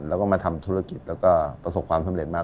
แล้วก็มาทำธุรกิจแล้วก็ประสบความสำเร็จมา